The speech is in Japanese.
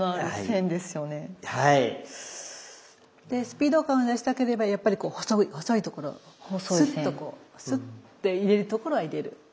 でスピード感を出したければやっぱり細いところをスッとこうスッて入れるところは入れる。